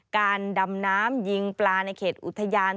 การดำน้ำยิงปลาในเขตอุทยาน